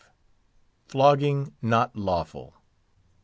FLOGGING NOT LAWFUL.